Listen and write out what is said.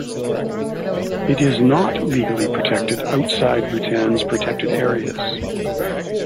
It is not legally protected outside Bhutan's protected areas.